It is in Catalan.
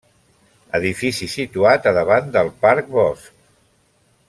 Edifici situat a davant del Parc Bosc.